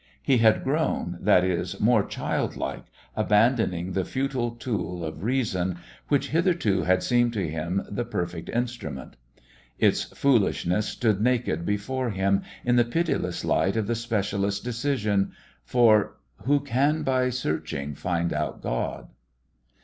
He had grown, that is, more childlike, abandoning the futile tool of Reason, which hitherto had seemed to him the perfect instrument. Its foolishness stood naked before him in the pitiless light of the specialist's decision. For "Who can by searching find out God?"